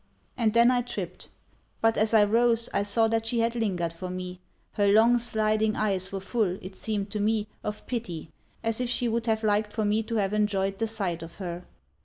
And then I tripped; but, as I rose, I saw that she had lingered for me; her long sliding eyes were full, it seemed to me, of pity, as if she would have liked for me to have enjoyed the sight of her.